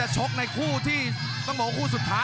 อย่าหลวนนะครับที่เตือนทางด้านยอดปรับศึกครับ